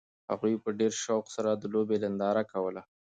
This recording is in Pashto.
هغوی په ډېر شوق سره د لوبې ننداره کوله.